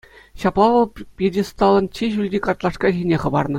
Ҫапла вӑл пьедесталӑн чи ҫӳлти картлашки ҫине хӑпарнӑ.